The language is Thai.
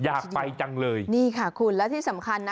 อยากไปจังเลยนี่ค่ะคุณและที่สำคัญนะ